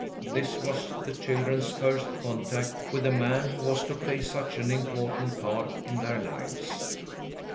This was the children's first contact with the man who was to play such an important part in their lives.